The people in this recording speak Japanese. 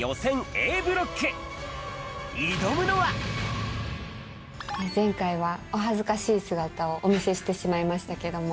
Ａブロック挑むのは⁉前回はお恥ずかしい姿をお見せしてしまいましたけども。